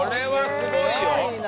すごいな！